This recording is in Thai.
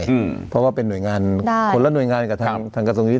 อืมเพราะว่าเป็นหน่วยงานค่ะคนละหน่วยงานกับทางทางกระทรวงนี้